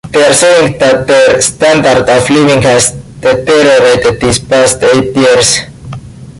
They're saying that their standard of living has deteriorated these past eight years.